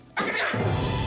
angkat tangan kalian serta kamu